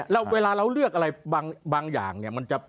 แล้วเวลาเราเลือกอะไรบางอย่างเนี่ยมันจะ